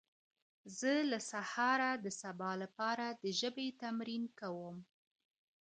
زه له سهاره د سبا لپاره د ژبي تمرين کوم!!